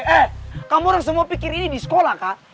eh kamu orang semua pikir ini di sekolah kak